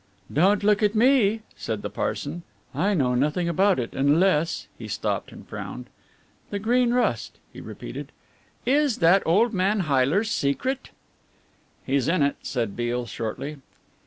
"Don't look at me," said the Parson, "I know nothing about it, unless " He stopped and frowned. "The Green Rust," he repeated, "is that old man Heyler's secret?" "He's in it," said Beale shortly.